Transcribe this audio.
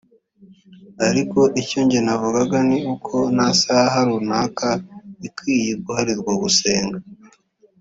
Ariko icyo njye navuga nuko nta saha runaka ikwiye guharirwa gusenga